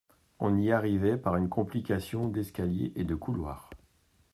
On y arrivait par une complication d'escaliers et de couloirs.